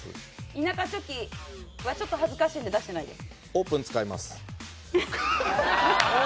田舎チョキは、ちょっと恥ずかしいので出してないです。